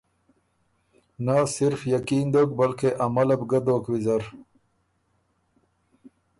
نۀ صرف یقین دوک بلکې عمله بو ګۀ دوک ویزر۔